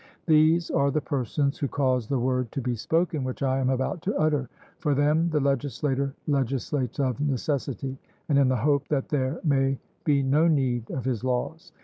These are the persons who cause the word to be spoken which I am about to utter; for them the legislator legislates of necessity, and in the hope that there may be no need of his laws.